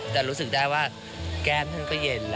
แต่ณะอย่าหลด